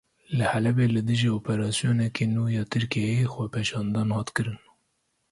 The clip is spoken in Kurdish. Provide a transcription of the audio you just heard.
Li Helebê li dijî operasyoneke nû ya Tirkiyeyê xwepêşandan hat kirin.